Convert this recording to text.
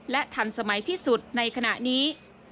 และทันสมัยที่สุดในขณะนี้